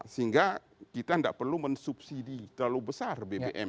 sehingga kita tidak perlu mensubsidi terlalu besar bbm